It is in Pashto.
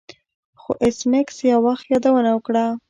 خو ایس میکس یو وخت یادونه وکړه